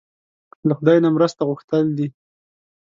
له خدای نه مرسته غوښتل دي.